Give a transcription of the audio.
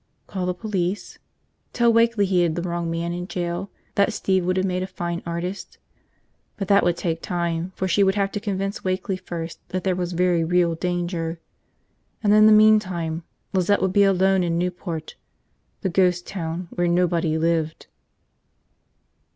Call the police? Tell Wakeley he had the wrong man in jail, that Steve would have made a fine artist? But that would take time, for she would have to convince Wakeley first that there was very real danger. And in the meantime Lizette would be alone in Newport, the ghost town where nobody lived.